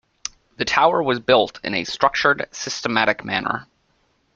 The tower was built in a structured, systematic manner.